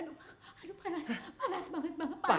aduh panas banget pak